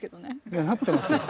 いやなってますよ。